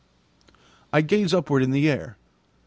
I gaze upward in the air.